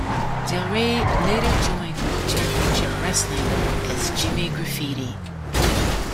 Del Ray later joined World Championship Wrestling as Jimmy Graffiti.